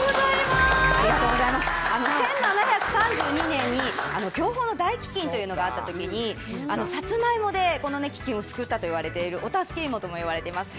１７３２年に享保の大飢饉というのがあった時サツマイモで飢饉を救ったといわれているお助け芋とも言われています。